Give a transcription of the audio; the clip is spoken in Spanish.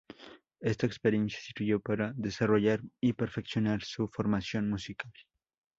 Esta experiencia sirvió para desarrollar y perfeccionar su formación musical.